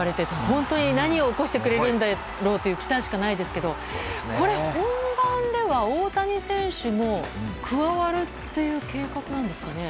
本当に何を起こしてくれるんだろうという期待しかないですけど、本番では大谷選手も加わるっていう計画なんですかね。